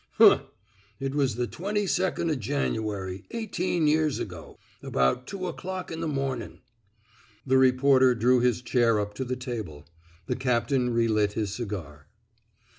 *'" Huh I It was the twenty second o* Janu ary, eighteen years ago — about two o'clock in the momin'.*' The reporter drew his chair up to the table. The captain relit his cigar.